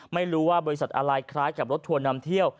ไม่รู้ว่าบริษัทอะไรคล้ายกับรถทัวร์นำเที่ยว